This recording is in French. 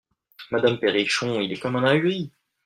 Madame PERRICHON Il est comme un ahuri !